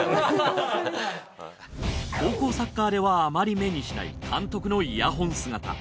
高校サッカーではあまり目にしない監督のイヤホン姿。